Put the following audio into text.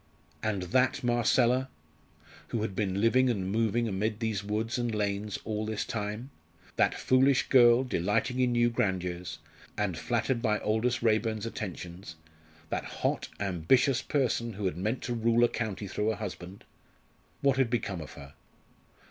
And that Marcella, who had been living and moving amid these woods and lanes all this time that foolish girl, delighting in new grandeurs, and flattered by Aldous Raeburn's attentions that hot, ambitious person who had meant to rule a county through a husband what had become of her?